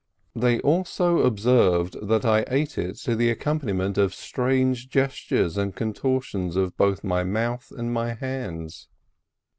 They also observed that I ate it to the accompaniment of strange gestures and contortions of both my mouth and my hands.